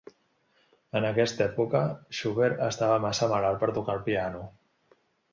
En aquesta època, Schubert estava massa malalt per tocar el piano.